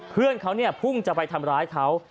เพื่อนเขาพุ่งจะไปทำร้ายเขา